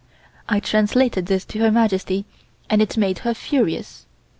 I translated this to Her Majesty, and it made her furious.